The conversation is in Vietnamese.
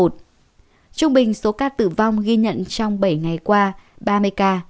trung bình số ca tử vong ghi nhận trong bảy ngày qua ba mươi ca